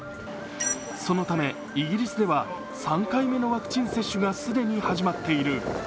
そのため、イギリスでは３回目のワクチン接種が既に始まっている。